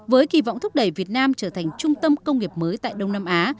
với kỳ vọng thúc đẩy việt nam trở thành trung tâm công nghiệp mới tại đông nam á